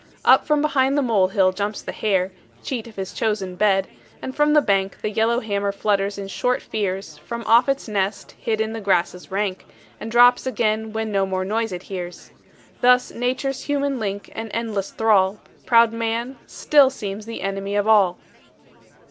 Up from behind the molehill jumps the hare, Cheat of his chosen bed, and from the bank The yellowhammer flutters in short fears From off its nest hid in the grasses rank, And drops again when no more noise it hears. Thus nature's human link and endless thrall, Proud man, still seems the enemy of all.